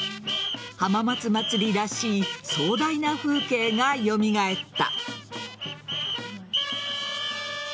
浜松まつりらしい壮大な風景が蘇った。